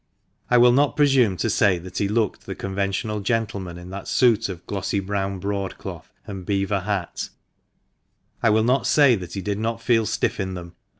I will not presume to say that he looked the conventional gentleman in that suit of glossy brown broadcloth, and beaver hat ; I will not say that he did not feel stiff in them.